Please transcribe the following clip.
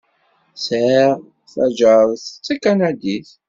Sɛiɣ taǧaret d takanadit.